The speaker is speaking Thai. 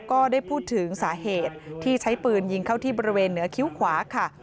ก็ได้พูดถึงสาเหตุที่ใช้ปืนยิงเข้าที่บริเวณเหนือคิ้วขวาค่ะ